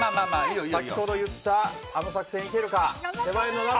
先ほど言ったあの作戦、いけるか。